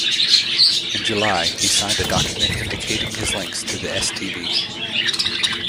In July, he signed a document indicating his links to the StB.